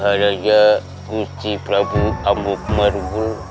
kepada kusti prabu amok marugul